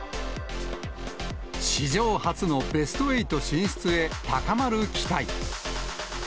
史上初のベスト８進出へ、高まる期待。